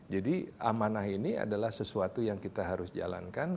jadi amanah ini adalah sesuatu yang kita harus jalankan